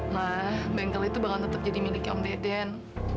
ma bengkel itu bakal tetap jadi miliknya om dek den